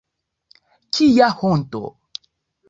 Kia honto!